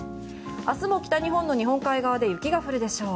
明日も北日本の日本海側で雪が降るでしょう。